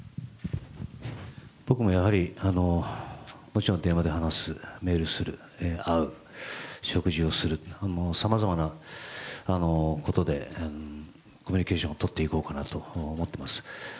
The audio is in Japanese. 僕もやはり、もちろん電話で話すメールする、会う、食事をする、さまざまなことでコミュニケーションをとっていこうかなと思っています。